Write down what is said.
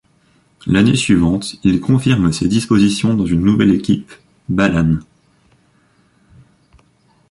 L'année suivante, il confirme ces dispositions dans une nouvelle équipe, Ballan.